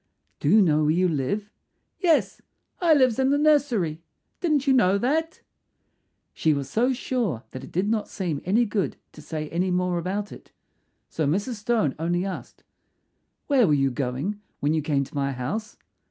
"Do you know where you live?" "Yes; I lives in the nursery. Didn't you know that?" She was so sure that it did not seem any good to say any more about it. So Mrs. Stone only asked, "Where were you going when you came to my house?"